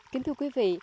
kính thưa quý vị